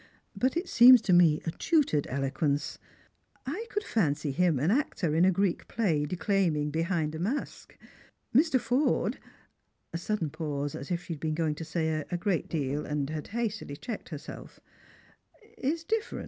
But it Beems to me a tutored eloqufeice. I could fancy him an actor in a Greek play, declaiming behind a mask. Mr. Forde"— a Budden pause, as if she had been going to say a great deal, an<J had hastily checked herself —" is different."